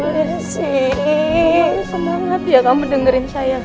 kamu harus semangat ya kamu dengerin saya